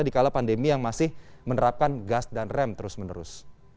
di kala pandemi yang masih menerapkan gas dan rem terus menerus